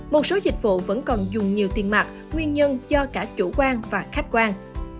một số dịch vụ vẫn còn dùng nhiều tiền mặt nguyên nhân do cả chủ quan và khách quan